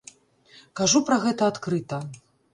Кажу пра гэта адкрыта.